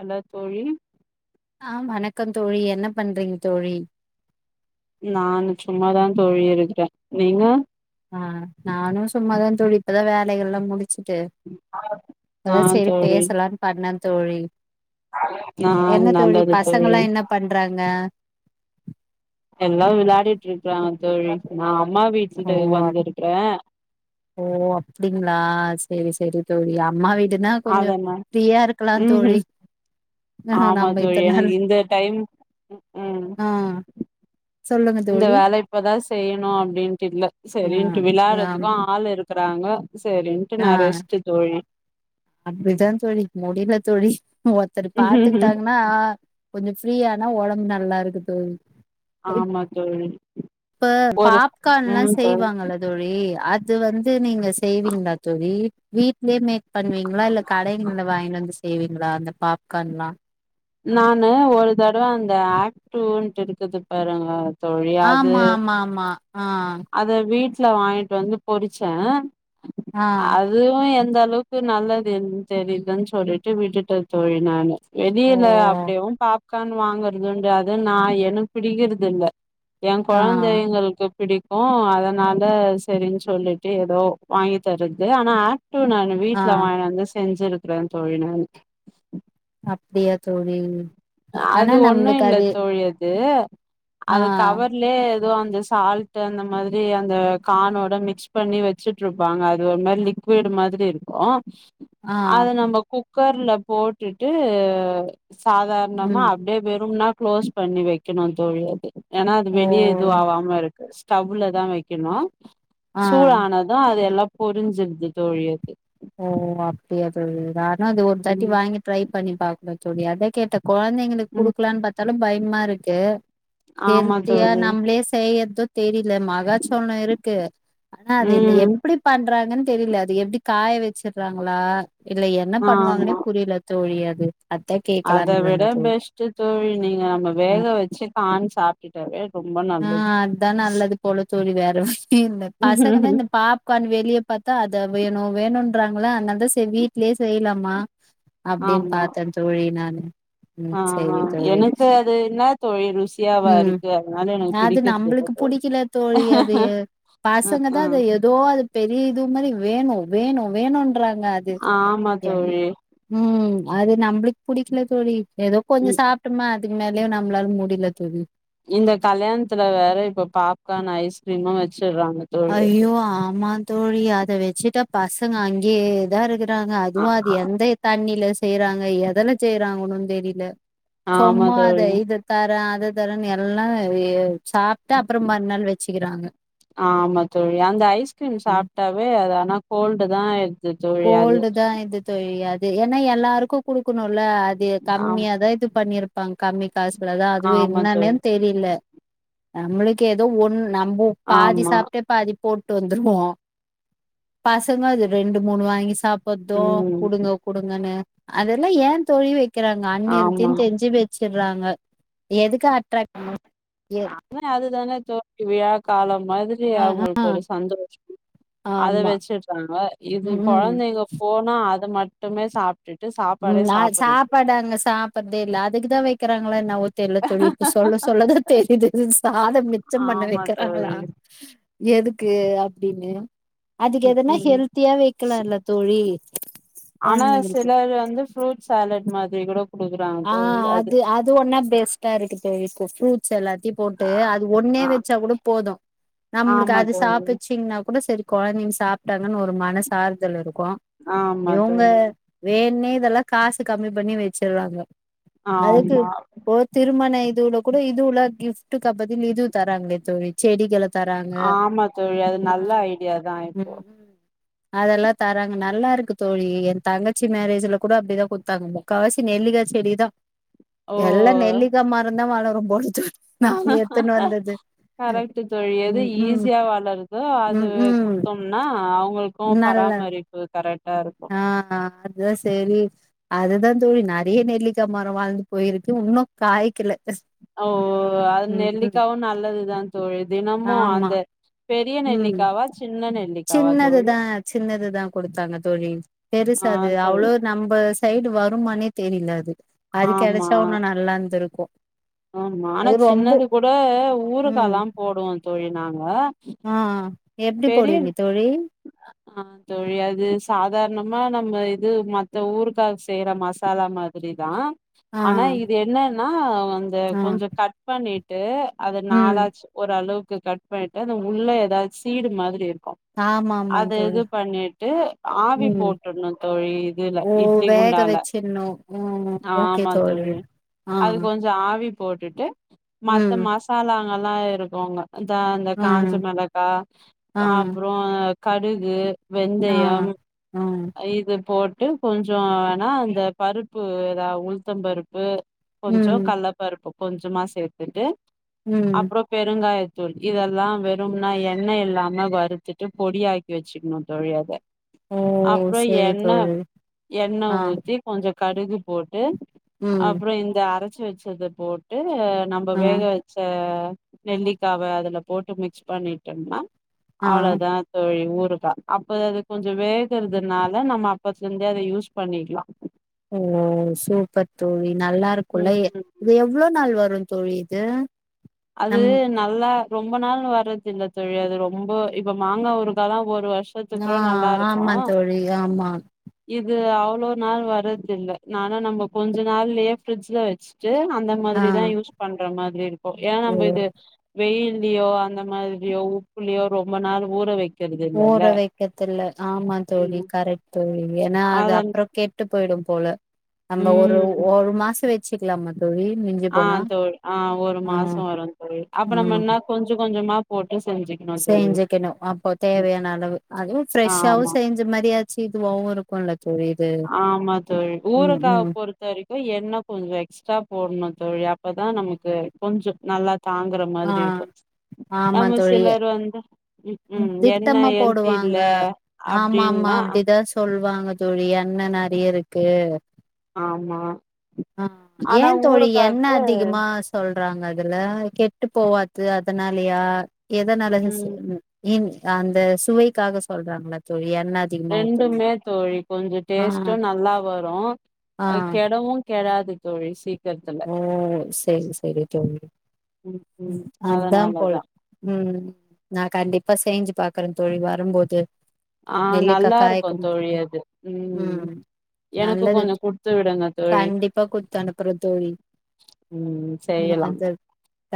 hello தோழி ஆ வணக்கம் தோழி என்ன பண்றீங்க தோழி நானு சும்மாதா தோழி இருக்கற நீங்க ஆ நானும் சும்மதா தோழி இப்பதா வேலைகள்லா முடிச்சிட்டு ஆ அதா செரி தோழி பேசலான் பண்ண தோழி நா என்ன தோழி நல்லது பசங்கல்லா என்ன பண்றாங்க எல்லா விளாடிட்டு இருக்கறாங்க தோழி நா அம்மா ஓ வீட்டுக்கு வந்துருக்கற ஓ அப்டிங்ளா செரி செரி தோழி அம்மா வீ டுன்னா கொஞ்சோ அதனா ஃப்ரீயா இருக்கலா ம் தோழி ம் ஆ ஆமா நம்ம தோழி இத்தன நாள் எனக்கு இந்த டைம் ம் கும் ஆ சொல்லுங்க இந்த தோழி வேல இப்பதா செய்யனு அப்டின்ட்டு இல்ல ஆ செரின்ட்டு ஆமா விளாடறதுக்கும் ஆள் இருக்கறாங்க செரின்ட்டு ஆ நா ரெஸ்ட்டு தோழி அப்டிதா தோழி முடில தோழி ஒருத்தர் பாத்துக்கிட்டாங்கன்னா கொஞ்சோ ஃப்ரீ ஆனா ஒடம்பு நல்லா இருக்கு தோழி ஆமா தோழி இப்ப ஒரு பாப்கான்லா ம் தோழி செய்வாங்க இல்ல தோழி அது வந்து நீங்க செய்வீங்ளா தோழி வீட்லே மேக் பண்ணுவீங்ளா இல்ல கடைங்கல்ல வாங்கினு வந்து செய்வீங்ளா அந்த பாப்கான்லா நானு ஒரு தடவ அந்த ஆக்ட் டூன்ட்டு இருக்குது பாருங்க தோழி அது ஆமா ஆமா ஆமா அ அத வீட்ல வாங்கிட்டு வந்து பொறிச்சே அ அதுவு எந்தளவுக்கு நல்லதுன் தெரிலன் சொல்லிட்டு விட்டுட்ட தோழி நானு வெளில ஓ அப்டியேவு பாப்கான் வாங்குறதுன்டு அது நா எனுக் பிடிக்கறது இல்ல எ ஆ கொழந்த எங்களுக்கு பிடிக்கு அதனால செரின் சொல்லிட்டு எதோ வாங்கி தரது ஆனா ஆக்ட் டூ நானு ஆ வீட்ல வாங்கினு வந்து செஞ்சிருக்ற தோழி நானு அப்டியா தோழி ஆனா அது ஒன்னு நம்மளுக்கு இல்ல அது தோழி ஆ அது கவர்லே எதோ அந்த சால் ட்டு அந்த மாரி அந்த கானோட மிக்ஸ் பண்ணி வெச்சிட்ருப்பாங்க அது ஒரு மாரி லிக்விடு மாத்ரி இருக் கு ஆ அது நம்ப குக்கர்ல போட்டுட்டு சாதாரணமா ம் அப்டியே வெறும்னா குளோஸ் பண்ணி வெக்கணு தோழி அது ஏனா அது ஓ வெளிய எது ஆவாம இருக் ஸ்டவ்ல தா வெக்கணு ஆ சூடான து அது எல்லா பொரிஞ்சுருது தோழி அது ஓ அப்டியா தோழி நானு அது ஒரு தாட்டி ம் வாங்கி ட்ரை பண்ணி பாக்ணு தோழி அதா கேட்டே கொழந்தைங்களுக்கு ம் குடுக்கலான் பாத்தாளு பயமா இருக்கு ஆமா ஹெல்த்தியா தோழி நம்ளே செய்யறது தெரில மகா சோலோ இருக்கு ஆனா அது இனி ம் எப்டி பண்றாங்கன்னு தெரில அது எப்டி காய வெச்சிறாங்ளா இல்ல என்ன பண்ணுவாங்கன்னே ஆமா புரியல தோழி அது அதா கே அத விட பெஸ்ட்டு தோழி நீங்க நம்ம வேக வெச்சி கான் சாப் பிடவே ரொம்ப ந ஆ அத் தா நல்லது போல தோழி வேற [unintelligible] பசங்க தா இந்த பா ப்கான் வெளிய பாத்தா அத வேணு வேணுன்றாங்கள அதனால தா வீட்லயே செய்யலாமா அப்டின் ஆமா பாத்தே தோழி நானு ம் செரி தோழி இது என்ன தோழி ரு ம் அது இல்ல நம்பளுக்கு தோழி புடிக்கல தோழி அது ம் பாசங்க தா அது ம் எ தோ அது பெரிய இது மாரி வேணு வேணு வேணுன்றாங்க அது ஆமா ஏ தோழி ம் அது நம்பளுக்கு புடிக்கல தோழி எதோ கொஞ்சோ ம் சாப்ட்டமா இத்க் மேல்யு நம்ளால முடில தோழி இந்த கல்யாணத்துல வேற இப்ப பாப்கானு ஐஸ்கிரீமு வெச்சறாங்க அய்யோ ஆமா தோழி அத வெச்சுட்டா பசங்க அங்கேயே தா இருக்கு றாங்க ஆ அதுவு அது எந்த தண்ணில செய்யறாங்க எதுல செய்யறாங்கன்னு தெரியல ஆமா சொம்மா தோழி அது இது தர அது தர எல்லா வே சாப்ட்டு அப்றம் மறுநாள் வெச்சிக்கிறாங்க ஆமா தோழி அந்த ஐஸ்கிரீம் ம் சாப்ட்டாவே அது ஆனா கோல்டு தா தோழி அது கோல்டு தா இது தோழி அது ஏனா எல்லாருக்கு குடுக்கணுல்ல அது ஆம் கம்மியாதா இது பண்ணிருப்பாங்க கம்மி காசு குள்ள தா அதுவே ஆமா என்னான்னே தோழி தெரியல நம்மளு க்கே எதோ ஒன்னு நம்ப பாதி ஆமா சாப்ட்டே பாதி போட்டு வந்துருவோ பசங்க அது ரெண்டு மூணு வாங்கி சாப்பட்து ம் குடுங்க குடுங்கனு அதெல்லா ஏ தோழி ஆமா விக்கிறாங்கஅன்நெறத்தின் தெஞ்சி வச் வச்சிட்றாங்க எதுக்கு அட்ராக் ப எ ன்னே அதுதானே தோழி விழா காலம் மாதிரி ஆ ஆ அவுங்களுக் ஒரு சந்தோஷம் அத ஆமா வச்சிறாங்கோ இது ம் ம் கொழந்தைங்கோ போனா அது மட்டுமே சாப் விட்டுட்டு சாப் உம் அ சாப்பாடு அங்க சாப்பறதே இல்ல அதுக்குதா வக்கிறாங்ளா என்னாவே தெரியல தோழி இப்ப சொல்ல சொல்லதா தெரியுது சாதம் மிச்சம் பண்ண ஆமா தோழி வக்கிறாங்ளா எதுக்கு அப்டின்னு அதுக்கு ம் எதனா ம் ஹெல்த்தியா வக்கலால்ல தோழி ஆனா கொழந்தைங்களுக்கு சிலர் வந்து ஃப்ரூட் சோலட் மாதிரி குடோ ஆ அது அது ஒன்னா பெஸ்ட்டா இருக்கு தோழி ஃப்ரூட்ஸ் எல்லாத்தையும் போட்டு அது ஒன்னே ஆ வச்சா கூடோப் போதும் நம்ளுக்கு ஆமா அது தோழி சாப்பிச்சிங்னா கூட சரி கொழந்தைங்க சாப்ட்டா தான ஒரு மனசு ஆறுதல் இருக்கு ஆமா இவுங்க தோழி வேண்ணே இதெல்லா காசு கம்மி பண்ணி வச்சிட்றாங்கோ அதுக்கு ஆமா இப்போ திருமண இதுவுல கூட இது வுல கிஃப்டு கபதி இதுவு தராங்ளே தோழி செடிகள தராங்க ஆமா தோழி அது ஆ நல்ல ஐடியா தா இப்போ ம் அதெல்லா தராங்க நல்லா இருக்கு தோழி என் தங்கச்சி மேரேஜ்ல கூட அப்டிதா குத்தாங்கோ முக்கால்வாசி நெல்லிக்கா செடிதா ஓ எல்லா நெல்லிக்கா மரந்தா வளரு போள தோனு நாங்க எத்துனு வந்தது கரெக்ட் தோழி எது ம் ம் ஈஸியா வளருதோ அது ம் ம் குடுத்தோம்னா அவங்களுக் நல்லா ஒபராமரிப்பு கரெக்டா இருக்கு ஆ ஆ அதுதா செரி அதுதா தோழி நறைய நெல்லிக்கா மரம் வாளந்து போயிருக்கு இன்னு காய்க்கல ஓ அ ம் ம் நெல்லிக்காவு நல்லதுதா தோழி ஆமா அந்த பெரிய நெல்லிக்காவா சின்ன நெல்லிக்காவா தோழி அ சின்னதுதா குடுத்தாங்க தோழி பெருசா ஆ அது தோழி அவ்ளோ நம்ம சைடு வருமானே தெரியலா அது ஆமா அதுகடச்சா ஒன்னு நல்லாந்திருக்கு ஆமா ஆனா சின்னது கூட ம் ஊருகாலா போடுவோ தோழி நாங்க ஆ ஆ எப்டி பெரிய போடுவீங்க தோழி ஆ தோழி அது சாதாரணமா நம்ம இது மத்த ஊருகா செய்யற மசாலா மாதிரிதா ஆ ஆனா இது என்னன்னா வந்து ஆ கொஞ்ச கட் பண்ணிட்டு அது ம் நாளாச் ஒரு அளவுக்கு கட் பண்ணிட்டு அந்த உள்ள ஏதாது சீடு மாதிரி இருக்கு ஆமா ஆமா அது இது தோழி பண்ணிட்டு ஆவி ம் போட்டண்ணு தோழி இதுல இட்லி குண்டால தென்னு உ ஓகே தோழி ஆ அது ஆ கொஞ்சோ ஆவி போட்டுட்டு மத்த மசாலாங்கலா இருக்குங்க அதா அந்த ஆ காஞ்ச மிளகாய் ஆ அப்புரோ கடுகு ஆ வெந்தயம் ஆ இது போட் அப்டே கொஞ்சொ வேனா அந்த பருப்பு ஏதா உளுதம் பருப்பு கொஞ்சொ ம் கல்லப் பருப்பு கொஞ்சமா சேத்துட்டு ம் அப்புறம் பெருங்காயத்தூள் இதெல்லாம் வெறும்னா எண் எண்ண இல்லாம வறுத்துட்டு பொடியாக்கி வச்சுக்கணு தோழி அத ஓ அப்புற செரி எண்ண தோழி எண்ண ஆ ஊத்தி கொஞ்ச கடுகு போட்டு ம் அப்புறம் இந்த அரச்சி வச்சத போட்டு போட்டு நம்ப ஆ வேக வச்ச நெல்லிக்காவ அதுல போட்டு மிக்ஸ் பண்ணிட் எம் எம் ஆ அவ்ளோதான் [unintelligible] ஊருகா அப்ப அது கொஞ்சம் வேகறதுனால நம்ம அப்பத்துல இருந்தே அத யூஸ் பண்ணிக்கலாம் ஓ சூப்பர் தோழி நல்லா இருக்கும்ல எத் ம் இது எவ்வள நாள் வரும் தோழி இது அது நம் நல்லா ரொம்ப நாள் வர்றது இல்ல தோழி அது ரொம்ப இப்ப மாங்காய் ஊறுகாய் லா ஒரு வருஷ் ஆ ஆமா தோழி ஆமா இது அவ்ளோ நாள் வர்றதில்ல நானும் நம்ம கொஞ்ச நாள்லயே ஃபிரிஜ்ல வச்சுட்டு அந்த ஆ மாதிரிதான் யூஸ் பண்ற மாதிரி இருக்கும் ஏ ஓ நம்ம இது வெயில்லயோ அந்த மாதிரியோ உப்புலயோ ரொம்ப நாள் ஊற வைக்க ஊற வைக்கத்துல ஆமா தோழி ம் கரெக்ட் தோழி ஏன்னா அது அதன் அப்புறம் கே ட்டு போய்டும் போல நம்ம ஒரு ம் ஒரு மாசம் வச்சுக்கலாமா தோழி ஆ போனா தோழி ஆ ஒரு ஆ மாசம் வரும் தோழி அப்ப ஆ நம்ம வேன்னா கொஞ்சம் கொஞ்சமா போட்டு செஞ்சுக்க செஞ்சுக்கணும் அப்போ தேவையான அளவு அதுவும் பிரஷாவு ஆமா செஞ்சு இந்த மாரியாச்சு இதுவும் இருக்கும்ல்ல தோழி இது ஆமா தோழி ம் ஊரக்கா ம் பொரு த வரைக்கும் எண்ணெ கொஞ்சம் எக்ஸ்ட்ரா போடணும் தோழி அப்பதான் நமக்கு கொஞ்சம் நல்லா தாங்குற ஆ மாதிரி இருக்கும் ஆமா அப்போ தோழி சிலர் வந்து ம் என்ன திட்டமா ஹெல்தி போடுவாங்க இல்ல ஆமா ஆமா அப்டின்னா அப்டிதான் சொ சொல்வாங்க தோழி எண்ண நறைய இருக்கு ஆமா ஆ ஆனா ஏன் தோழி எண்ண ஊறுகாக்கு அதிகமா சொல்றாங்க அதுல கெட்டு போவாது அதனாலயா எதனால ம் [unintelligible] இ அந்த சுவைக்காக சொல்றாங்களா தோழி எண்ண அ ரெண்டுமே தோழி கொஞ்சம் டேஸ்ட்டும் நல்லா வரும் ஆ அது கெடவும் கெடாது தோழி சீக் ஓ செரி செரி தோழி ம் ம் அதான் போல அதனாலதா ம் நான் கண்டிப்பா செஞ்சு பாக்குறேன் தோழி வரும்போது ஆ நெல்லிக்கா நல்லா இருக்கும் காய்க்குமா தோழி அது ம் எனக்கு நல்லது கொஞ்சம் கொடுத்து விடுங்க தோழி கண்டிப்பா குடுத்து அனுப்புறே தோழி ம் ஆ செய்யலாம்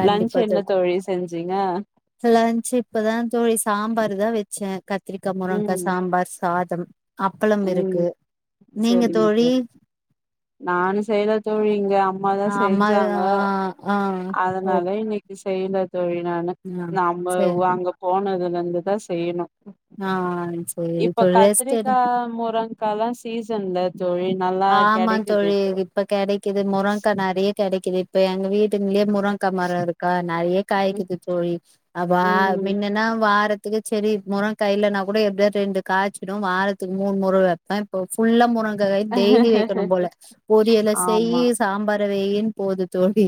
லஞ்சு என்ன தோழி செஞ்சீங்க லன்சு இப்பதான் தோழி சாம்பார் தான் வச்சேன் கத்திரிக்கா முருங்கக்காய ம் சாம்பார் சாதம் அப்பளம் ம் இருக்கு நீங்க தோழி நானு செய்யல தோழி இங்க அம்மாதான் அம்மா செஞ்சாங்க ஆ ஆ அதனால ஓகே இன்னை செய்யல தோழி நானு ஆ நம்ம சேரி அங்க போனதுல இருந்து தான் செய்யணும் ஆ சேரி இப்ப தோழி ரெஸ்ட் எடு கத்திரிக்கா முறங்க கால்லாம் சீசன்ல தோழி நல்லா ஆமா கெடைக் தோழி இப்ப கெடைக்குது முரங்கா நறைய கெடைக்குது இப்ப எங்க வீட்டுலயே முரங் அக்க மரம் இருக்கா நறைய காய்க்குது தோழி அதுப்பா ம் முன்னன்னா வாரத் துக்கு செடி இருக்கு முரங்கா இல்லனா கூட எப்டி யாது ரெண்டு காய்ச்சிடும் வாரத்துக்கு மூணு முரம் வைப்பேன் இப்ப புல்லா முரங்கை டெய்லி வைக்கணும் போல பொரியலை செய்யி ஆமா சாம்பாரு வையினு போது தோழி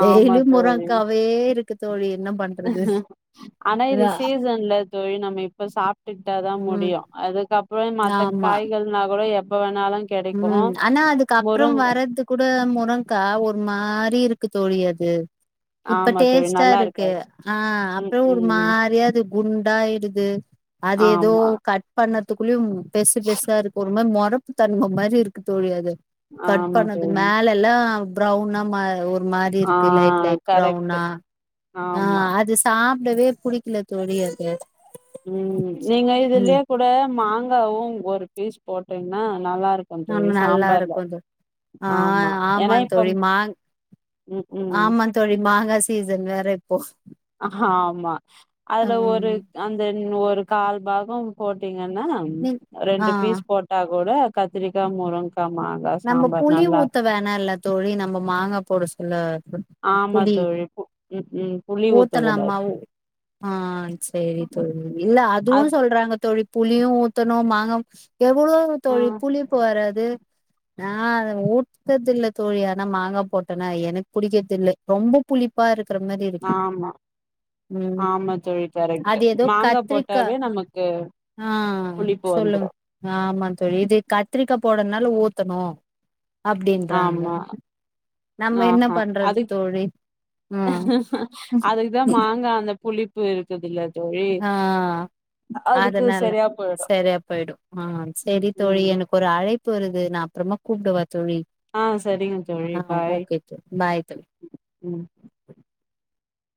ஆமா டெய்லியும் தோழி முறங்காவே இருக்கு தோழி என்ன பண்றது ஆனா என்ன இது சீசன்ல தோழி நம்ம இப்ப சாப்டுகிட்டாதான் முடியும் அதுக்கப்பறம் மத்த ஆமா காய்கள்னா கூட எப்ப வேணாலும் ம் ஆனா அதுக்கு அப்பறம் வரறது குட முறங்கா ஒரு மாறி இருக்கு தோழி அது இப்ப ஆமா தோழி டேஸ்டா நல்லா இருக்கு இருக்காது ஆஹ் ம் அப்பறம் ஒரு ம் மாறியாது குண்டாயிடுது அது ஏதோ ஆமா கட் பண்த்துக்குள்யூம் பெர்சு பெர்சா இருக்கு ஒரு மாரி மெறப்பு தன்மை மாரி இருக்கு தோழி அது கட் ஆமா பண்ணதுகு தோழி மேல எல்லா புரௌவுனா மா ஒரு மாரி இருக்கு லைட் லைட் புரௌனா ஆம்மா சாப்படவே புடிக்கல தோழி அது ம் நீங்க இதுலயே ம் கூட மாங்காவூ ஒரு பீஸ் போட்டீங்கன்னா நல்லா இருக் ஆமா கொஞ்சொவெ நல்லா சாம்பார்ல இருக்கு அது ஆ ஆமா ஏன்னா இப்போ தோழி மா ம் ம் ஆமா தோழி மாங்கா சீசன் வேற இப்போ ஆம்மா ஆ அதுல ஒரு அந்தன் ஒரு கால் பாகோ போட்டீங்கன்னா நீ ஆ ரெண்டு ஆ பீஸ் போட்டா கூட கத்திரிக்கா முருங்கா மா நம்ம புளி ஊத்த வேணா இல்ல தோழி நம்ம மாங்கா போட சொல்ல ஆமா புளி தோழி புப் ம் ம் புளி ஊத்த ஊத்தலாமா கூடாது ஆ செரி தோழி இல்ல அதுவூ அது சொல்றாங்க தோழி புளியூ ஊத்தணூ மாங்கா எவ்ளோ ஆ தோழி புளிப்பு வராது நான் அத ஊத்தர்து இல்ல தோழி அ நா மாங்கா போட்டோனா எனக்கு பிடிக்கர்து இல்ல ரொம்பே புளிப்பா இருக்கிற மாதிரி இருக்கு ஆமா ம் ஆமா தோழி கரெக்ட் அது ஏதோ மாங்கா கத்திரிக்கா போட்டாவே நமக்கு ஆ புளிப்பு சொல்லுங் வந்துரு ஆமா தோழி இது கத்திரிக்கா போடர்துனால ஊத்தணூ அப்டின்றாங்க ஆமா நம்ம என்ன ஆஹா அது பண்றத் தோழி ம் அதுக்குதா மாங்கா அந்த புளிப்பு இருக்குதுல்ல தோழி ஆ அதுக்கு அதனால சரியா போயிடு சரியா போயிடூ அ ம் செரி தோழி ம் எனக் ஒரு அழைப்பு வருது நா அப்பறமா கூப்டுவா தோழி ஆ செரிங்க தோழி ஆ பாய் ஓகே தோழி பாய் தோழி ம்